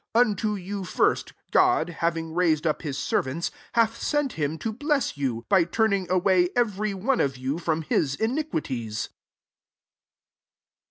26 Un to you first, God, having rai^ ed up his servant, hati^ sei^ him to bless you, by turning away every one of you from Ms iniquities.'